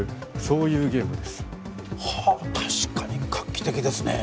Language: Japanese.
そういうゲームですはあ確かに画期的ですね